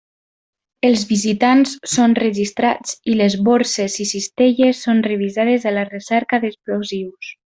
Els visitants són registrats i les borses i cistelles són revisades a la recerca d'explosius.